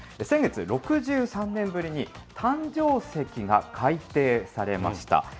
先月、６３年ぶりに誕生石が改定されました。